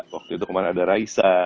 waktu itu kemarin ada raisa